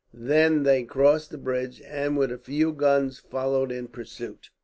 They then crossed the bridge, and with a few guns followed in pursuit.